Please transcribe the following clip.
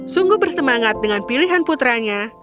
sungguh bersemangat dengan pilihan putranya